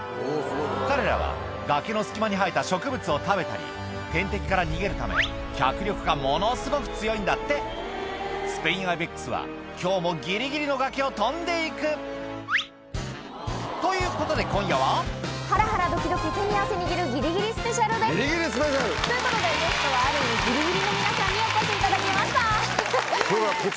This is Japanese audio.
彼らは崖の隙間に生えた植物を食べたり天敵から逃げるため脚力がものすごく強いんだってスペインアイベックスは今日もギリギリの崖を跳んで行くということで今夜はギリギリＳＰ！ということでゲストはある意味ギリギリの皆さんにお越しいただきました。